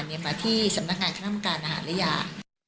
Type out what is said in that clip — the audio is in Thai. มาที่สำนักงานคณะกรรมการอาหารและยา